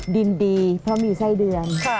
ดินดีเพราะมีไส้เดือน